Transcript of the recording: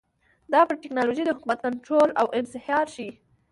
دا پر ټکنالوژۍ د حکومت کنټرول او انحصار ښيي